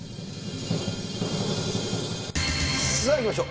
さあ、いきましょう。